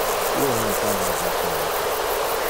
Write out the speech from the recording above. Io non parla Japonese.